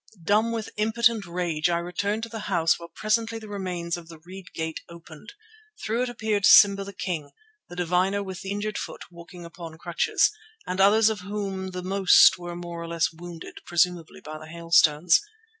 Dumb with impotent rage I returned to the house, where presently the remains of the reed gate opened. Through it appeared Simba the King, the diviner with the injured foot walking upon crutches, and others of whom the most were more or less wounded, presumably by the hailstones.